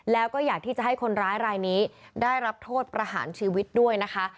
แล้วก็อยากที่จะให้คนร้ายรายนี้ได้รับโทษประหารชีวิตด้วยนะคะ